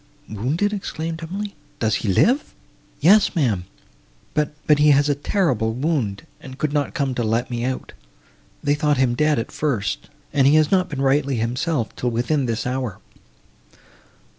"Wounded!" exclaimed Emily, "does he live?" "Yes, ma'am, but—but he has a terrible wound, and could not come to let me out. They thought him dead, at first, and he has not been rightly himself, till within this hour."